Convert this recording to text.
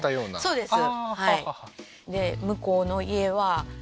そうです